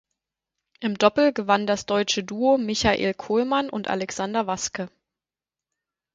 Im Doppel gewann das deutsche Duo Michael Kohlmann und Alexander Waske.